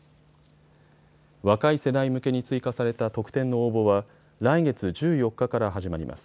若い世代向けに追加された特典の応募は来月１４日から始まります。